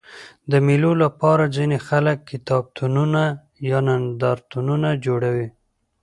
د مېلو له پاره ځيني خلک کتابتونونه یا نندارتونونه جوړوي.